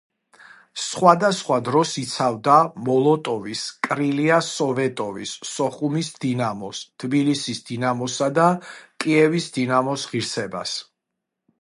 სხვადასხვა დროს იცავდა მოლოტოვის „კრილია სოვეტოვის“, სოხუმის „დინამოს“, თბილისის „დინამოსა“ და კიევის „დინამოს“ ღირსებას.